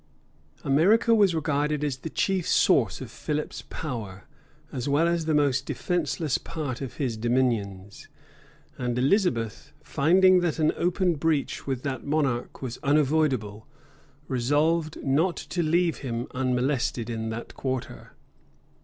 America was regarded as the chief source of Philip's power, as well as the most defenceless part of his dominions, and Elizabeth, finding that an open breach with that monarch was unavoidable, resolved not to leave him unmolested in that quarter.